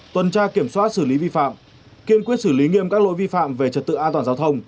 tuần tra kiểm soát xử lý vi phạm kiên quyết xử lý nghiêm các lỗi vi phạm về trật tự an toàn giao thông